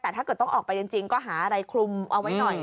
แต่ถ้าเกิดต้องออกไปจริงก็หาอะไรคลุมเอาไว้หน่อย